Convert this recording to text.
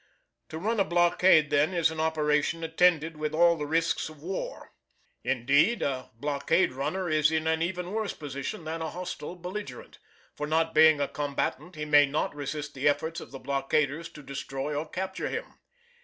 To run a blockade then is an operation attended with all the risks of war. Indeed a blockade runner is in an even worse position than a hostile belligerent; for not being a combatant he may not resist the efforts of the blockaders to destroy or capture him.